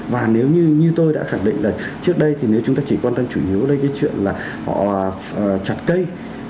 và nếu như như tôi đã khẳng định là trước đây thì nếu chúng ta chỉ quan tâm chủ yếu lên cái chuyện là họ chặt cây